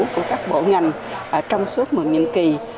của các bộ ngành trong suốt một nhiệm kỳ